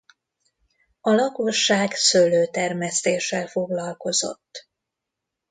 A lakosság szőlőtermesztéssel foglalkozott.